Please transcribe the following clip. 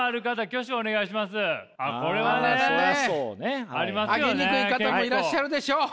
挙げにくい方もいらっしゃるでしょう。